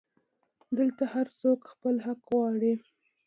دلته هرڅوک خپل حق غواړي